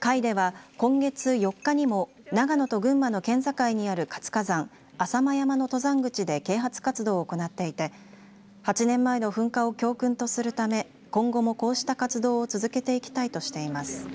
会では、今月４日にも長野と群馬の県境にある活火山、浅間山の登山口で啓発活動を行っていて８年前の噴火を教訓とするため今後もこうした活動を続けていきたいとしています。